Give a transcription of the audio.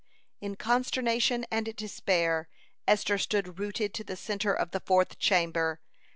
In consternation and despair Esther stood rooted to the centre of the fourth chamber.